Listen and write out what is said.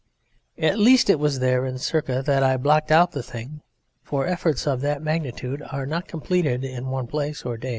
At least it was there in Cirta that I blocked out the thing, for efforts of that magnitude are not completed in one place or day.